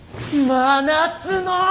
真夏の！